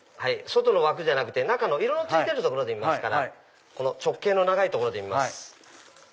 外の枠じゃなくて色の付いてる所で見ますから直径の長い所で見ます。